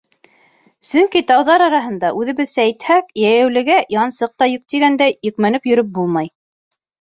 Сөнки тауҙар араһында, үҙебеҙсә әйтһәк, йәйәүлегә янсыҡ та йөк тигәндәй, йөкмәнеп йөрөп булмай.